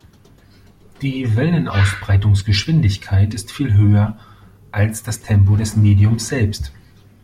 Die Wellenausbreitungsgeschwindigkeit ist viel höher als das Tempo des Mediums selbst.